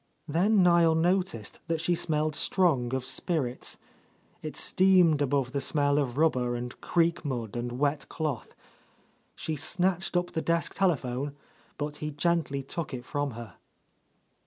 Then Niel noticed that she smelled strong of spirits; it steamed above the smell of rub ber and creek mud and wet cloth. She snatched up the desk telephone, but he gently took it from her.